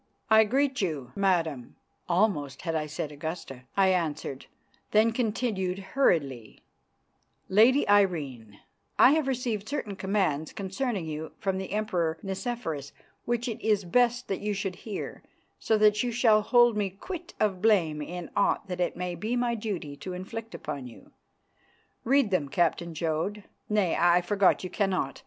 "I greet you, Madam," (almost had I said Augusta), I answered, then continued hurriedly: "Lady Irene, I have received certain commands concerning you from the Emperor Nicephorus which it is best that you should hear, so that you shall hold me quit of blame in aught that it may be my duty to inflict upon you. Read them, Captain Jodd. Nay, I forgot, you cannot.